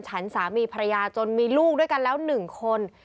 ฉันสามีภรรยาจนมีลูกด้วยกันแล้ว๑คน